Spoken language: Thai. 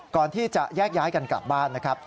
ก่อนที่จะแยกย้ายกันกลับบ้านนะครับ